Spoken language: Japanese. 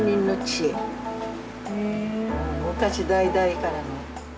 昔代々からの。